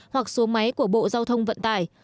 hoặc số máy của bộ giao thông vận tải